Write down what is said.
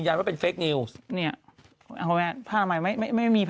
อันดับหนึ่งอยู่ใช่ไหม